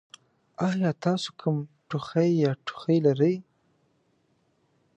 ایا تاسو کوم ټوخی یا ټوخی لرئ؟